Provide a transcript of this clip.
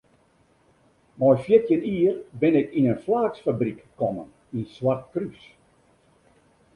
Mei fjirtjin jier bin ik yn in flaaksfabryk kommen yn Swartkrús.